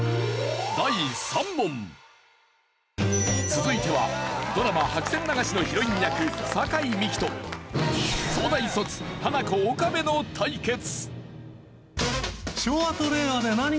続いてはドラマ『白線流し』のヒロイン役酒井美紀と早大卒ハナコ岡部の対決。